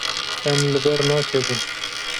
Em li ber nakevin.